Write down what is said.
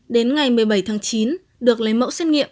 đến ngày một mươi bảy tháng chín được lấy mẫu xét nghiệm